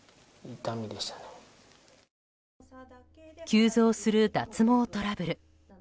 急増する脱毛トラブル。